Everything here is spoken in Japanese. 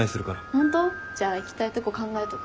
ホント？じゃあ行きたいとこ考えとく。